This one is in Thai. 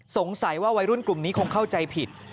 สงสัยว่าวัยรุ่นกลุ่มนี้คงเข้าใจผิด